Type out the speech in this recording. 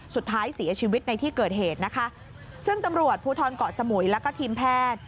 สุดท้ายเสียชีวิตในที่เกิดเหตุนะคะซึ่งตำรวจภูทรเกาะสมุยแล้วก็ทีมแพทย์